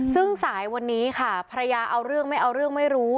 ซึ่งสายวันนี้ค่ะภรรยาเอาเรื่องไม่เอาเรื่องไม่รู้